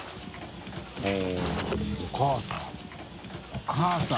お母さん。